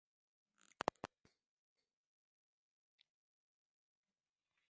Pamoja Mburudishaji Mwenye Mafanikio kwa Muda Wote